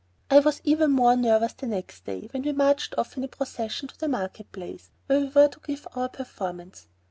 I was even more nervous the next day, when we marched off in a procession to the market place, where we were to give our performance.